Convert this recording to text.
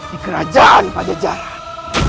di kerajaan pancajaran